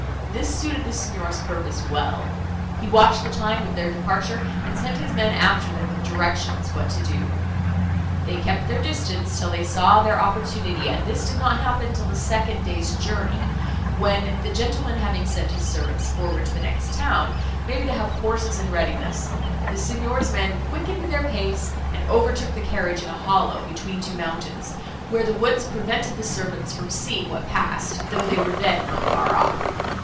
This suited the Signor's purpose well. He watched the time of their departure, and sent his men after them, with directions what to do. They kept their distance, till they saw their opportunity, and this did not happen, till the second day's journey, when, the gentleman having sent his servants forward to the next town, maybe to have horses in readiness, the Signor's men quickened their pace, and overtook the carriage, in a hollow, between two mountains, where the woods prevented the servants from seeing what passed, though they were then not far off.